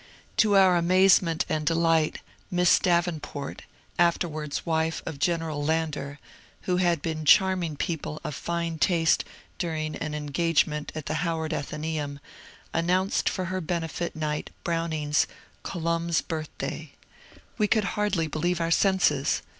To our amazement and delight Miss Davenport (afterwards wife of General Lander), who had been charming people of fine taste during an engagement at the Howard Athenaeum, an nounced for her benefit night Browning's ^^ Colombe's Birth day." We could hardly believe our senses.